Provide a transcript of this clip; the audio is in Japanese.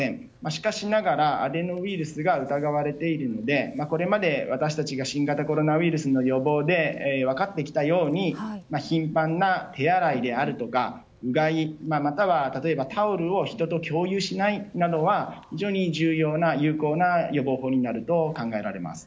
しかしながら、アデノウイルスが疑われているのでこれまで私たちが新型コロナウイルスの予防で分かってきたように頻繁な手洗いであるとか、うがいまたは例えばタオルを人と共有しないなどは非常に重要な有効な予防法になると考えられます。